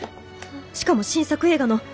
しかも新作映画の！